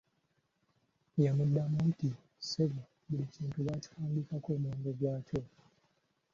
Yamuddamu nti "ssebo buli kintu baakiwandiikako omuwendo gwakyo!"